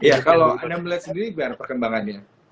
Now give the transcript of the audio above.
ya kalau anda melihat sendiri gimana perkembangannya